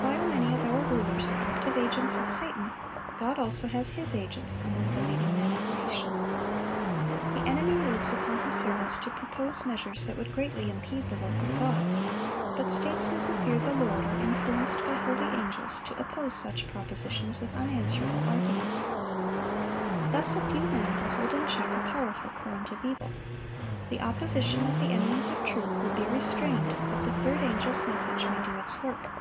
While many of our rulers are active agents of Satan, God also has His agents among the leading men of the nation. The enemy moves upon his servants to propose measures that would greatly impede the work of God; but statesmen who fear the Lord are influenced by holy angels to oppose such propositions with unanswerable arguments. Thus a few men will hold in check a powerful current of evil. The opposition of the enemies of truth will be restrained that the third angel's message may do its work.